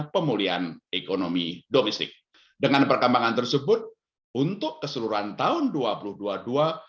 pemulihan ekonomi domestik dengan perkembangan tersebut untuk keseluruhan tahun tahun tahun